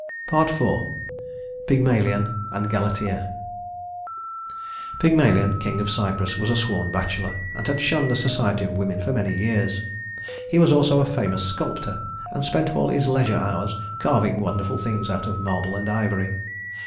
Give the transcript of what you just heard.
[Illustration: Hero and Leander] IV. Pygmalion and Galatea Pygmalion, king of Cyprus, was a sworn bachelor, and had shunned the society of women for many years. He was also a famous sculptor, and spent all his leisure hours carving wonderful things out of marble and ivory.